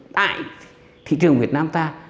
tại thị trường việt nam ta